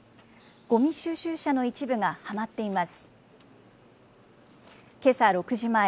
ごみ収集車の一部がはまっています。